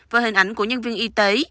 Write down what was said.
và hình ảnh của nhân viên y tế